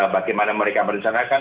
bagaimana mereka merencanakan